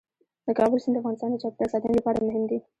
د کابل سیند د افغانستان د چاپیریال ساتنې لپاره مهم دي.